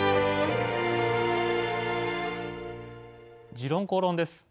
「時論公論」です。